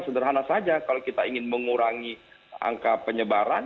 sederhana saja kalau kita ingin mengurangi angka penyebaran